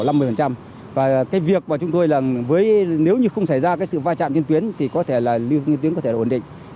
và cái việc mà chúng tôi là nếu như không xảy ra cái sự va chạm trên tuyến thì có thể là lưu lượng trên tuyến có thể ổn định